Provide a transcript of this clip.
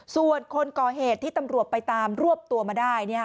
ส่วนคนก่อเหตุที่ตำรวจไปตามรวบตัวมาได้